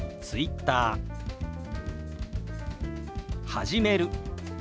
「始める」。